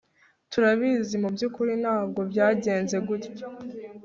Turabizi mubyukuri ntabwo byagenze gutya